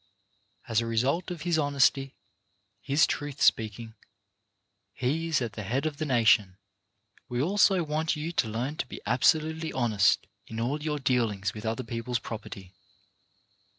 As a result of his honesty, his truth speaking, he is at the head of the nation. We also want you to learn to be absolutely honest in all your dealings with other people's property.